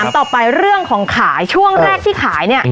ต่อไปเรื่องของขายช่วงแรกที่ขายเนี่ย